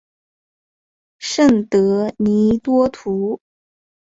圣德尼多图。